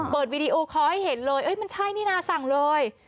วีดีโอคอลให้เห็นเลยมันใช่นี่นาสั่งเลย